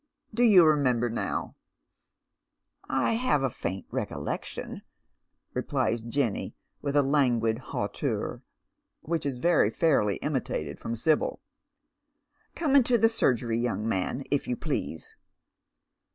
Do you remember now ?"" I have a faint recollection," replies Jenny, with a languid hauteur, which is very fairly imitated fi om Sibyl. " Come into the surgery, young man, if you please."